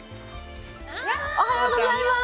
おはようございます！